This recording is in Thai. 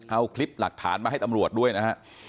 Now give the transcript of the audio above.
เอาคลิปหลักฐานมาให้ตำรวจด้วยนะฮะ